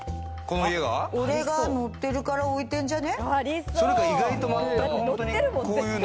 これが載ってるから置いてんじゃね？